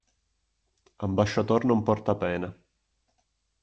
Ambasciator non porta pena.